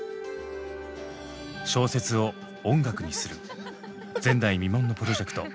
「小説を音楽にする」前代未聞のプロジェクト。